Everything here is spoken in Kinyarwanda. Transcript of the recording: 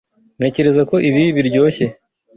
Ntekereza ko ibi biryoshye.